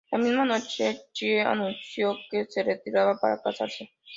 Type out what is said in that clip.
La misma noche, Chie anunció que se retiraba para casarse.